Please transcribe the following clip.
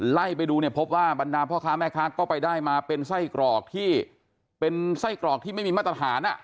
ไล่ไปดูเนี่ยพบว่าบรรดาพ่อค้าแม่ค้าก็ไปได้มาเป็นไส้กรอกที่เป็นไส้กรอกที่ไม่มีมาตรฐาน